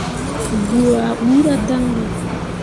Goo ah ɓuura dan ɓe.